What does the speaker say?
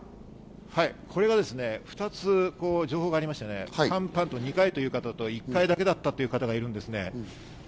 これは２つ情報がありまして、パンパンと２回という方と１回だけだったという方がいます。